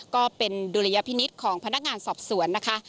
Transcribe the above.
ก็เป็นดุลยพินิษฐ์ของพนักงานสอบสวนนะคะ